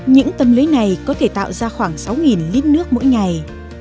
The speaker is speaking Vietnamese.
những tâm lý này có thể tạo ra khoảng sáu lít nước mỗi ngày